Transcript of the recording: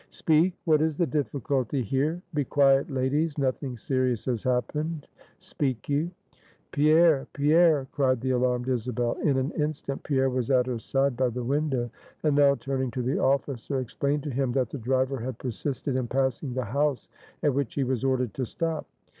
"Speak! what is the difficulty here? Be quiet, ladies, nothing serious has happened. Speak you!" "Pierre! Pierre!" cried the alarmed Isabel. In an instant Pierre was at her side by the window; and now turning to the officer, explained to him that the driver had persisted in passing the house at which he was ordered to stop.